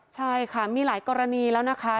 ใช่ค่ะมีหลายกรณีแล้วนะคะ